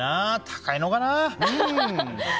高いのかな。